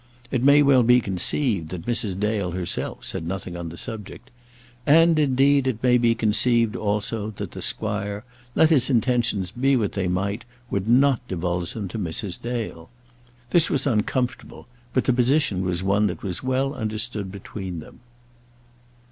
It may well be conceived that Mrs. Dale herself said nothing on the subject. And, indeed, it may be conceived, also, that the squire, let his intentions be what they might, would not divulge them to Mrs. Dale. This was uncomfortable, but the position was one that was well understood between them.